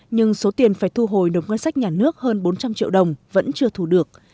nhưng số tiền phải thu hồi đồng ngân sách nhà nước hơn bốn trăm linh triệu đồng vẫn chưa thu được